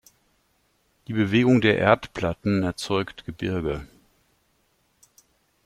Die Bewegung der Erdplatten erzeugt Gebirge.